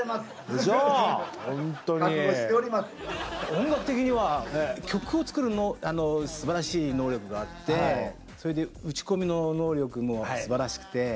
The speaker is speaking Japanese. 音楽的には曲を作るすばらしい能力があってそれで打ち込みの能力もすばらしくて。